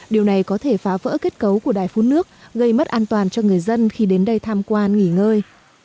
điều này có thể phá vỡ kết cấu của đài phun nước gây mất an toàn cho người dân khi đến đây tham quan nghỉ ngơi